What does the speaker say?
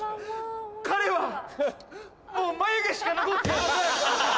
彼はもう眉毛しか残っていません。